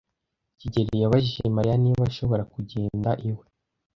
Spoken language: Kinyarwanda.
kigeli yabajije Mariya niba ashobora kugenda iwe.